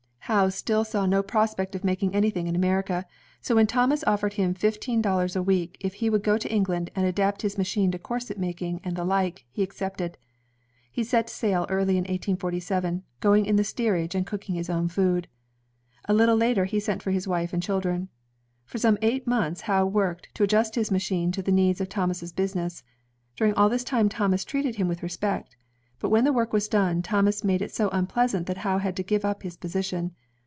Howe still saw no prospect of making anything in Amer ica, so when Thomas offered him fifteen dollars a week, if he would go to England and adapt his machine to corset making and the like, he accepted. He set sail early in 1847, going in the steerage and cooking his own food. A little later he sent for his wife and children. For some eight months Howe worked, to adjust his machine to the needs of Thomas's business. During all this time, Thomas treated him with respect. But when the work was done, Thomas made it so unpleasant that Howe had to give up his position.